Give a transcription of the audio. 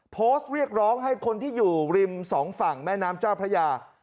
โพสต์เรียกร้องให้คนที่อยู่ริมสองฝั่งแม่น้ำเจ้าพระยา